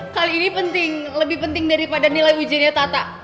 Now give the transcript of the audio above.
hal ini penting lebih penting daripada nilai ujiannya tata